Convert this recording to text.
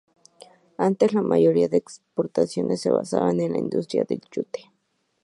Antes, la mayoría de exportaciones se basaban en la industria del yute.